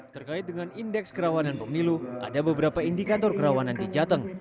terkait dengan indeks kerawanan pemilu ada beberapa indikator kerawanan di jateng